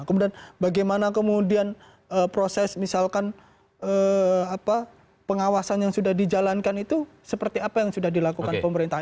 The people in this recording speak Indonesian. kemudian bagaimana kemudian proses misalkan pengawasan yang sudah dijalankan itu seperti apa yang sudah dilakukan pemerintah